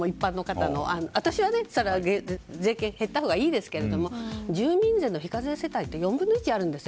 私は税金が減ったほうがいいと思いますが住民税の非課税世帯って４分の１あるんです。